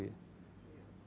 jadi tiap daerah